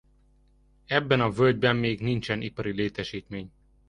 Ebben a völgyben még nincsen ipari létesítmény.